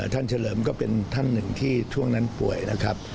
เฉลิมก็เป็นท่านหนึ่งที่ช่วงนั้นป่วยนะครับ